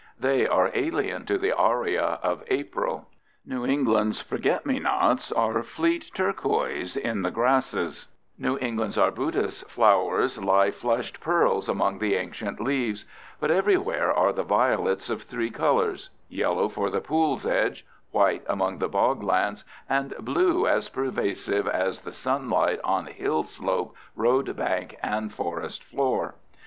They are alien to the aria of April. New England's forget me nots are fleet turquoise in the grasses; New England's arbutus flowers lie flushed pearls among the ancient leaves; but everywhere are the violets of three colors—yellow for the pool's edge, white among the bog lands, and blue as pervasive as the sunlight on hill slope, road bank, and forest floor.